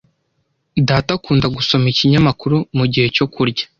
Data akunda gusoma ikinyamakuru mugihe cyo kurya.